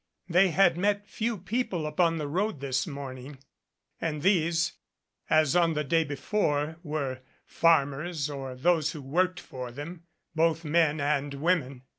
They had met few people upon the road this morning and these, as on the day before, were farmers or those who worked for them, both men and women.